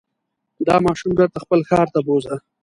دا ماشوم بېرته خپل ښار ته بوځه.